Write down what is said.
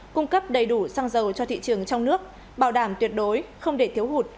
cung cấp đầy đủ xăng dầu cho thị trường trong nước bảo đảm tuyệt đối không để thiếu hụt